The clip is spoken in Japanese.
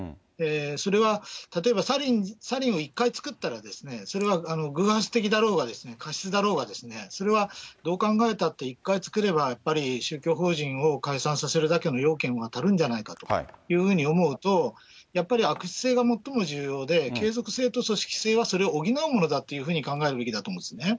それは、例えばサリンを１回作ったら、それは偶発的だろうが、過失だろうが、それはどう考えたって１回作れば、やっぱり宗教法人を解散させるだけの要件に足るんじゃないかと思うと、やっぱり悪質性が最も重要で、継続性と組織性はそれを補うものだというふうに考えるべきだと思うんですね。